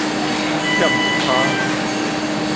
欠一跤